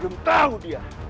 belum tahu dia